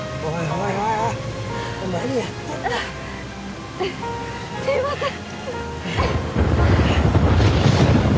おいおいおい何やってんだすいません